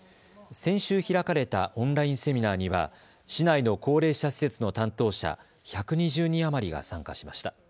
先週開かれたオンラインセミナーには市内の高齢者施設の担当者１２０人余りが参加しました。